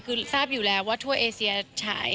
คือทราบอยู่แล้วว่าทั่วเอเซียฉาย